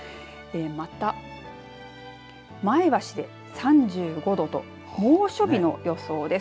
また前橋で３５度と猛暑日の予想です。